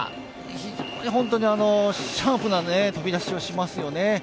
非常に、シャープな飛び出しをしますよね。